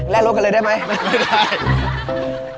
และรถกันเลยได้ไหมไม่ได้